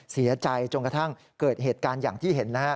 เสียใจจนกระทั่งเกิดเหตุการณ์อย่างที่เห็น